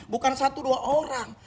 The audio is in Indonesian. bukan satu dua orang